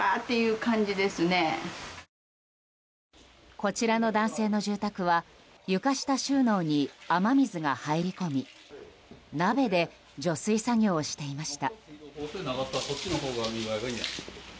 こちらの男性の住宅は床下収納に雨水が入り込み鍋で除水作業をしていました。